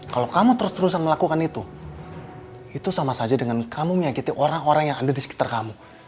kalau kamu terus terusan melakukan itu itu sama saja dengan kamu menyakiti orang orang yang ada di sekitar kamu